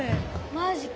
マジか。